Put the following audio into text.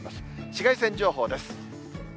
紫外線情報です。